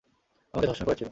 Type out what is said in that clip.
আমাকে ধর্ষণ করেছিল।